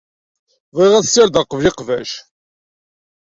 Bɣiɣ ad ssirdeɣ qbel iqbac.